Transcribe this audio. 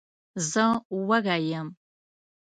زه وږی یم.